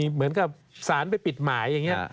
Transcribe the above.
เหมือนแบบศาลไปปิดหมาย